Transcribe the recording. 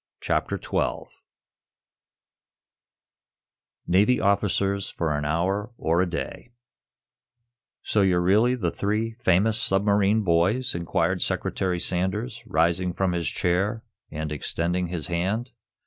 CHAPTER XII NAVY OFFICERS FOR AN HOUR OR A DAY "So you're really the three famous submarine boys?" inquired Secretary Sanders, rising from his chair and extending his hand.